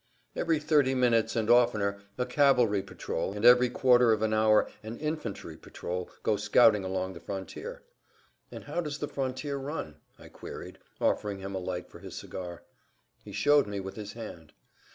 "Every thirty minutes and oftener a cavalry patrol, and every quarter of an hour an infantry patrol go scouting along the frontier." [Pg 186]"And how does the frontier run?" I queried, offering him a light for his cigar. He showed me with his hand.